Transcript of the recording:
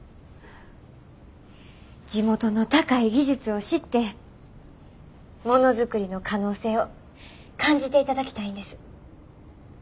地元の高い技術を知ってものづくりの可能性を感じていただきたいんです。